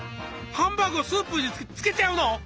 ハンバーグをスープにつけちゃうの？